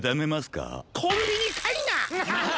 コンビニかいな！